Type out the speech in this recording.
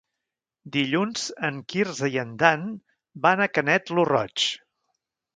Dilluns en Quirze i en Dan van a Canet lo Roig.